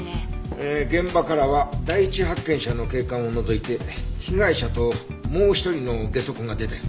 えー現場からは第一発見者の警官を除いて被害者ともう１人のゲソ痕が出たよ。